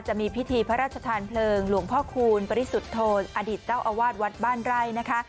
จะมีพิธีพระราชทานเพลิงหลวงพ่อคูณปริสุทธโธอดีตเจ้าอาวาสวัดบ้านไร่นะคะ